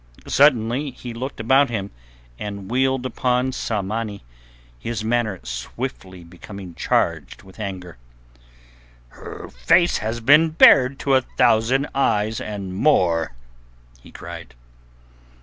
Suddenly he looked about him, and wheeled upon Tsamanni, his manner swiftly becoming charged with anger. "Her face has been bared to a thousand eyes and more," he cried.